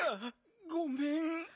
ごめん。